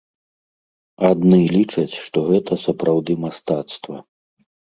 Адны лічаць, што гэта сапраўды мастацтва.